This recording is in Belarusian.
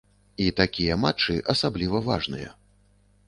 І такія матчы асабліва важныя.